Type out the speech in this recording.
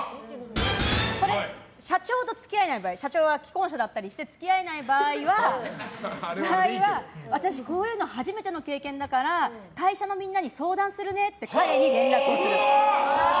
これ、社長と付き合えない場合社長が既婚者だったりして付き合えない場合は私、こういうの初めての経験だから会社のみんなに相談するねって彼に連絡する。